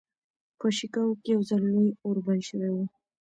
په شيکاګو کې يو ځل لوی اور بل شوی و.